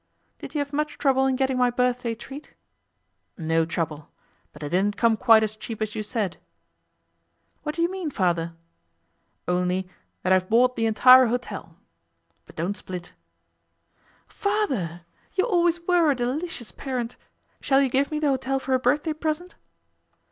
'Did you have much trouble in getting my birthday treat?' 'No trouble. But it didn't come quite as cheap as you said.' 'What do you mean, Father?' 'Only that I've bought the entire hotel. But don't split.' 'Father, you always were a delicious parent. Shall you give me the hotel for a birthday present?